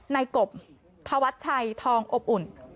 นายกบธวรรษชัยทองอบอุ่น